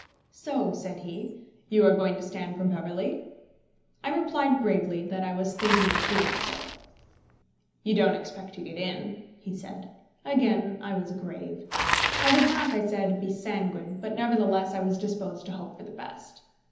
"So," said he, "you are going to stand for Beverley?" I replied gravely that I was thinking of doing so. "You don't expect to get in?" he said. Again I was grave. I would not, I said, be sanguine, but nevertheless I was disposed to hope for the best.